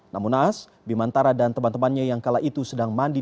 namun naas bimantara dan teman temannya yang kala itu sedang mandi